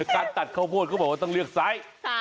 การตัดข้าวโพดเขาบอกว่าต้องเลือกไซส์